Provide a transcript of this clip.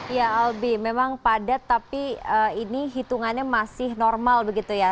ya albi memang padat tapi ini hitungannya masih normal begitu ya